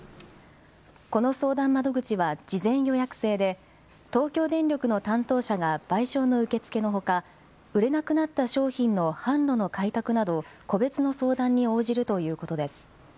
この相談窓口は事前予約制で、東京電力の担当者が賠償の受け付けのほか、売れなくなった商品の販路の開拓など、個別の相談に応じるということです。